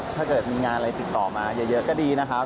ถ้าเกิดมีงานอะไรติดต่อมาเยอะก็ดีนะครับ